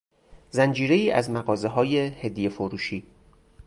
زنجیرهای از مغازههای هدیه فروشی